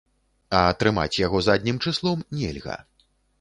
А атрымаць яго заднім чыслом нельга.